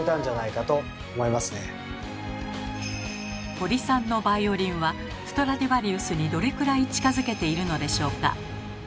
堀さんのバイオリンはストラディヴァリウスにどれくらい近づけているのでしょうか。